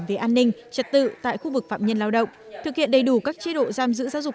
về an ninh trật tự tại khu vực phạm nhân lao động thực hiện đầy đủ các chế độ giam giữ giáo dục